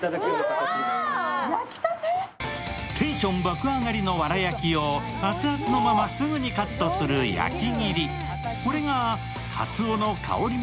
テンション爆上がりのわら焼きを熱々のまま、すぐにカットする焼き切り。